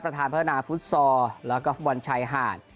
ประธานพัฒนาฟุตซอลแล้วก็ฟุตบอลชายหาด